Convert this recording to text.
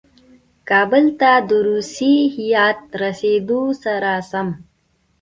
کابل ته د روسي هیات رسېدلو سره سم.